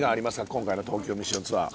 今回の『東京ミッションツアー』。